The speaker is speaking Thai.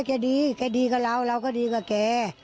แกดีแกดีกับเราเราก็ดีกับแก